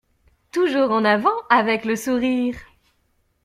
Toujours en avant avec le sourire